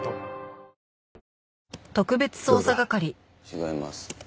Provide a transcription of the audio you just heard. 違います。